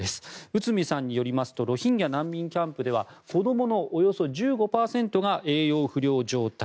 内海さんによりますとロヒンギャ難民キャンプでは子供のおよそ１５％が栄養不良状態。